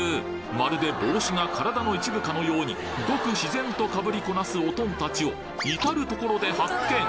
まるで帽子が体の一部かのようにごく自然と被りこなすオトンたちを至るところで発見！